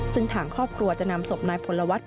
ซึ่งทางครอบครัวจะนำศพนายพลวัฒน